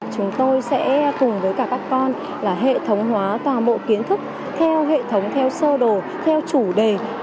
chúng tôi sẽ cùng với cả các con là hệ thống hóa toàn bộ kiến thức theo hệ thống theo sơ đồ theo chủ đề